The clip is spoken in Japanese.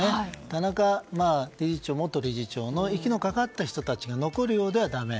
田中元理事長の息のかかった人たちが残るようではだめ。